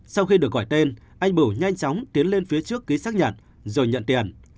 sau khi được gọi tên anh bửu nhanh chóng tiến lên phía trước ký xác nhận rồi nhận tiền